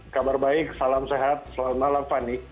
kabar baik salam sehat selamat malam fani